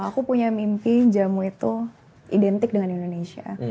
aku punya mimpi jamu itu identik dengan indonesia